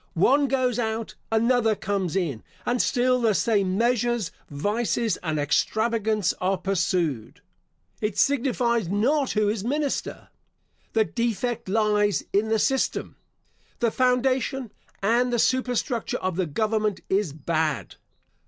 One goes out, another comes in, and still the same measures, vices, and extravagance are pursued. It signifies not who is minister. The defect lies in the system. The foundation and the superstructure of the government is bad.